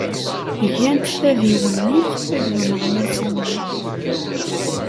Gant tadiwennit akked uneɣmas-nni.